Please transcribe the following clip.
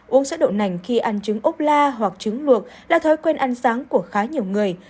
uống sữa độ nành khi ăn trứng ốc la hoặc trứng luộc là thói quen ăn sáng của khá nhiều người